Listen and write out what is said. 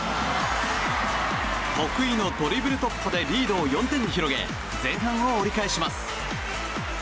得意のドリブル突破でリードを４点に広げ前半を折り返します。